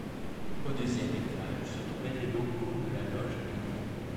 Au deuxième étage se trouvaient les locaux de la loge elle-même.